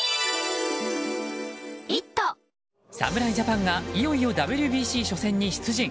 侍ジャパンがいよいよＷＢＣ初戦に出陣。